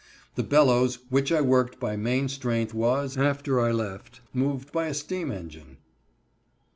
The bellows which I worked by main strength was, after I left, moved by a steam engine.